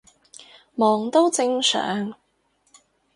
忙都正常